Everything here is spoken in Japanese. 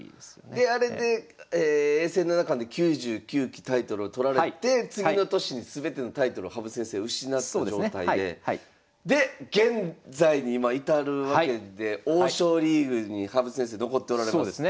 であれで永世七冠で９９期タイトルを取られて次の年に全てのタイトルを羽生先生失った状態でで現在に今至るわけで王将リーグに羽生先生残っておられます。